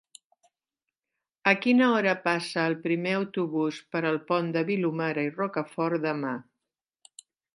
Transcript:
A quina hora passa el primer autobús per el Pont de Vilomara i Rocafort demà?